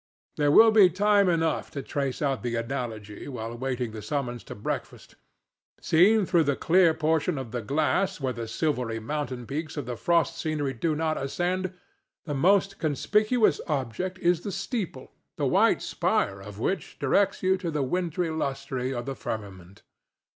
There will be time enough to trace out the analogy while waiting the summons to breakfast. Seen through the clear portion of the glass where the silvery mountain peaks of the frost scenery do not ascend, the most conspicuous object is the steeple, the white spire of which directs you to the wintry lustre of the firmament.